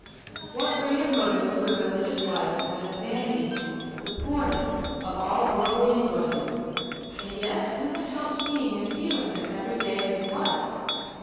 What greater motive to a religious life than the va nity, the poorness of all worldly enjoyments ; and yet who can help seeing and feeling this every day of his life?